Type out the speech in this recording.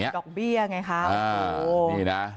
ดอกเบี้ยไงครับ